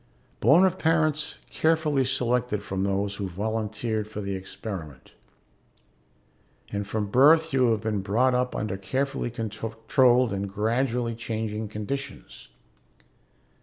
Born of parents carefully selected from those who volunteered for the experiment. And from birth you have been brought up under carefully controlled and gradually changing conditions.